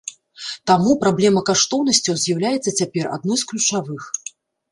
Таму праблема каштоўнасцяў з'яўляецца цяпер адной з ключавых.